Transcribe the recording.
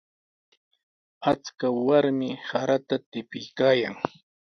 Achka warmi sarata tipiykaayan.